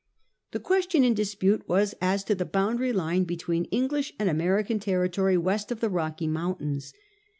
The question in dispute was as to the boundary line between English and American territory west of the Rocky Mountains.